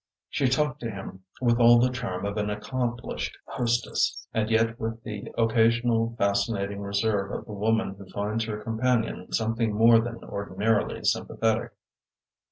She talked to him with all the charm of an accomplished hostess, and yet with the occasional fascinating reserve of the woman who finds her companion something more than ordinarily sympathetic.